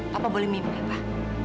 papa boleh mimpi pak